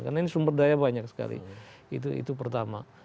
karena ini sumber daya banyak sekali itu pertama